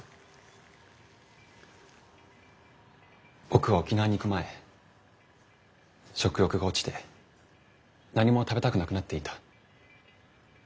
僕は沖縄に行く前食欲が落ちて何も食べたくなくなっていた。